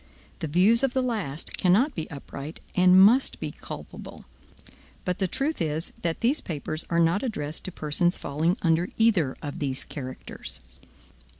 The views of the last cannot be upright, and must be culpable. But the truth is, that these papers are not addressed to persons falling under either of these characters.